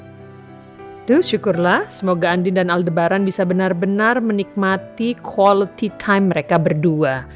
aduh syukurlah semoga andin dan aldebaran bisa benar benar menikmati quality time mereka berdua